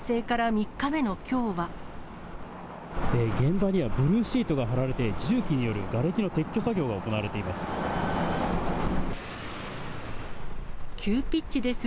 現場にはブルーシートが張られて、重機によるがれきの撤去作業が行われています。